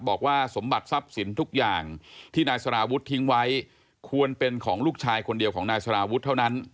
บอกว่าสมบัติทรัพย์สินทุกอย่างที่นายสารวุฒิทิ้งไว้ควรเป็นของลูกชายคนเดียวของนายสารวุฒิเท่านั้น